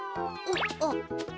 あっ。